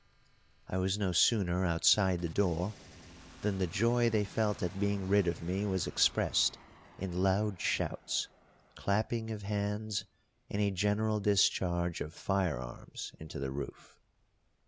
I was no sooner outside the door than the joy they felt at being rid of me was expressed in loud shouts, clapping of hands, and a general discharge of firearms into the roof.